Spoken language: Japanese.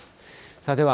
さあ、では